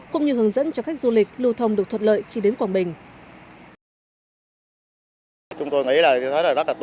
cũng như hướng dẫn cho khách du lịch lưu thông được thuận lợi khi đến quảng bình